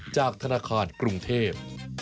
จากธนาคารกรุงเทพ